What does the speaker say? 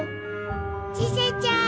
ちせちゃん！